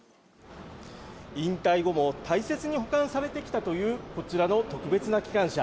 引退後も大切に保管されてきたという、こちらの特別な機関車。